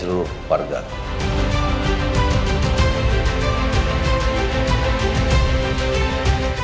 pembangunan dan kemampuan jakarta